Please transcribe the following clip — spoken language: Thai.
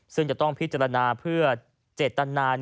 ซึ่งจะต้องพิจารณาเพื่อเจตนา